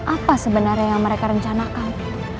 apa sebenarnya yang mereka rencanakan